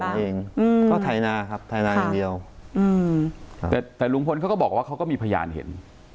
เขาบอกเองอืมก็ไถนาครับไถนาอย่างเดียวอืมแต่แต่ลุงพลเขาก็บอกว่าเขาก็มีพยานเห็น